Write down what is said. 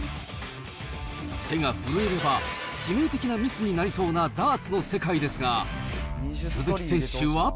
手が震えれば、致命的なミスになりそうなダーツの世界ですが、鈴木選手は。